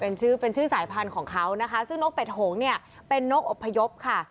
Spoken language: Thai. เป็นชื่อสายพันธุ์ของเขานะคะซึ่งนกเป็ดหงษ์เป็นนกอพยพค่ะ